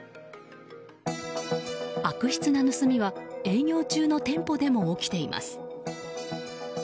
悪質な盗みは営業中の店舗でも起きています。